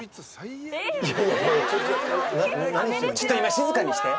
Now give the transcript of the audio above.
ちょっと今静かにして！